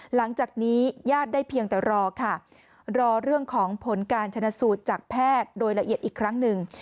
หลังจากนี้ญาติได้เพียงแต่รอค่ะรอเรื่องของผลการชนะสูตรจากแพทย์โดยละเอียดอีกครั้งหนึ่ง